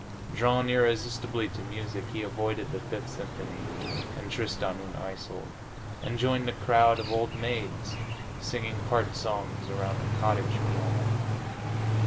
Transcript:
Drawn irresistibly to music, he avoided the Fifth Symphony and "Tristan und Isolde," and joined a crowd of old maids singing part songs around a cottage piano.